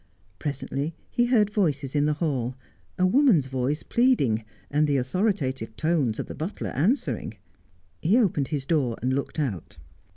Presently he heard voices in the hall, a woman's voice pleading, the authoritative tones of the butler answering. He opened his door and looked out.